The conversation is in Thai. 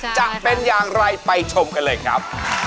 จะเป็นอย่างไรไปชมกันเลยครับ